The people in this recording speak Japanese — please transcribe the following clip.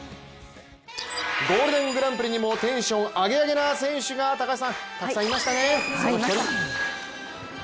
ゴールデングランプリにもテンションアゲアゲな選手がたくさんいましたね。